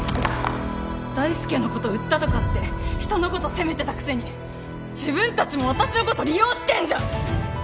大介のこと売ったとかって人のこと責めてたくせに自分たちも私のこと利用してんじゃん！